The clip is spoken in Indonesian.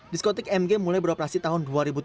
diskotik mg mulai beroperasi tahun dua ribu tujuh belas